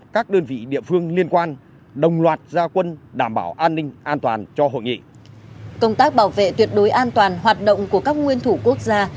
công tác bảo vệ tuyệt đối an toàn hoạt động của các nguyên thủ quốc gia